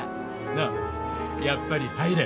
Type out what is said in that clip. のうやっぱり入れ。